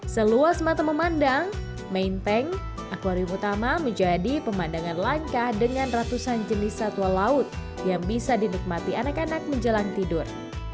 seluas mata memandang main tank akwarium utama menjadi pemandangan langka dengan ratusan jenis satwa laut yang bisa dinikmati anak anak menjelang tidur